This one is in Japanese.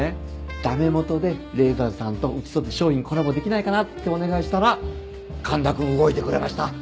ダメ元でＬＡＳＥＲＳさんとうちとで商品コラボできないかなってお願いしたら環田君動いてくれました！